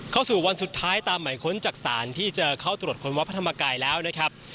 เข้าสู่วันสุดท้ายตามหมายค้นจากศาลที่จะเข้าตรวจค้นวัดพระธรรมกายแล้วนะครับ